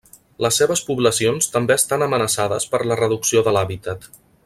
Les seves poblacions també estan amenaçades per la reducció de l'hàbitat.